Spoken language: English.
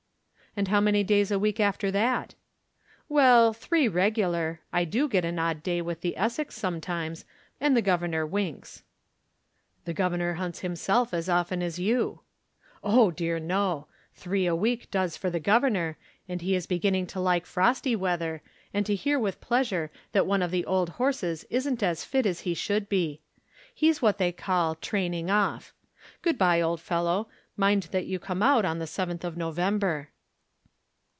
"And how many days a week after that?" "Well, three regular. I do get an odd day with the Essex sometimes, and the governor winks." "The governor hunts himself as often as you." "Oh dear no; three a week does for the governor, and he is beginning to like frosty weather, and to hear with pleasure that one of the old horses isn't as fit as he should be. He's what they call training off. Good bye, old fellow. Mind you come out on the 7th of November."